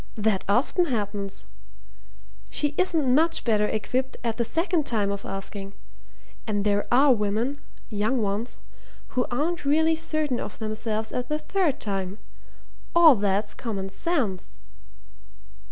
That often happens. She isn't much better equipped at the second time of asking. And there are women young ones who aren't really certain of themselves at the third time. All that's common sense."